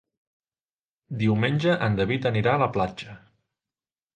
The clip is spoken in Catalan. Diumenge en David anirà a la platja.